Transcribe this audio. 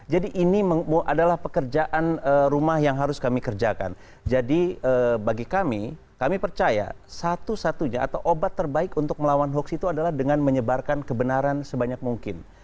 jadi ini adalah pekerjaan rumah yang harus kami kerjakan jadi bagi kami kami percaya satu satunya atau obat terbaik untuk melawan hoaks itu adalah dengan menyebarkan kebenaran sebanyak mungkin